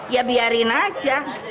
ya biarin aja